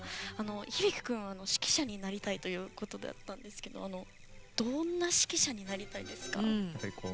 響輝君は指揮者になりたいということですがどんな指揮者になりたいんですか？